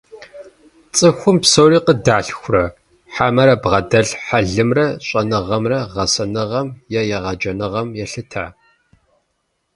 ЦӀыхум псори къыдалъхурэ, хьэмэрэ бгъэдэлъ хьэлымрэ щӀэныгъэмрэ гъэсэныгъэм е егъэджэныгъэм елъыта?